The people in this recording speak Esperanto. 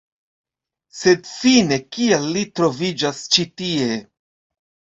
Sed fine kial vi troviĝas ĉi tie?